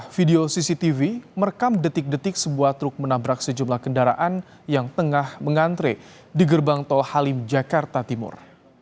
video cctv merekam detik detik sebuah truk menabrak sejumlah kendaraan yang tengah mengantre di gerbang tol halim jakarta timur